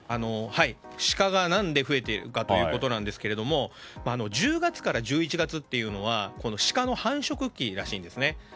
シカが何で増えているかということですが１０月から１１月というのはシカの繁殖期らしいんです。